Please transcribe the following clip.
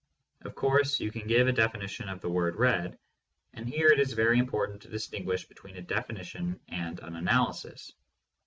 Of course, you can give a definition of the word "red," and here it is very im portant to distinguish between a definition and an analysis.